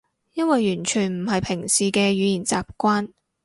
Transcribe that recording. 因為完全唔係平時嘅語言習慣